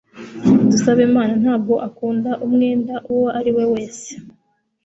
Dusabemana ntabwo akunda umwenda uwo ari we wese.